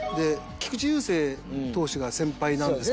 菊池雄星投手が先輩なんですけど。